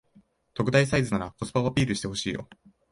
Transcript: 特大サイズならコスパをアピールしてほしいよ